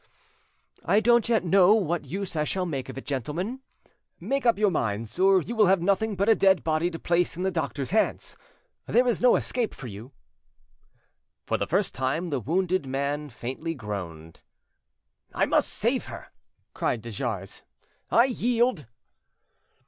"I don't yet know what use I shall make of it, gentlemen. Make up your minds, or you will have nothing but a dead body to place—in the doctor's hands. There is no escape for you." For the first time the wounded man faintly groaned. "I must save her!" cried de Jars,—"I yield."